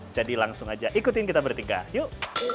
jadi langsung aja ikutin kita bertiga yuk